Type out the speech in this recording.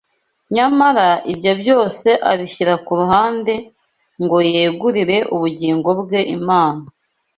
Nyamara ibyo byose abishyira ku ruhande ngo yegurire ubugingo bwe Imana